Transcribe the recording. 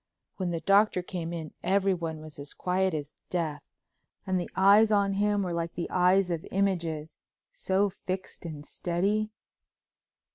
When the Doctor came in everyone was as quiet as death and the eyes on him were like the eyes of images, so fixed and steady.